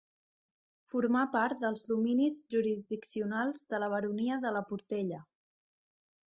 Formà part dels dominis jurisdiccionals de la baronia de la Portella.